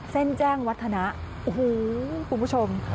แจ้งวัฒนะโอ้โหคุณผู้ชม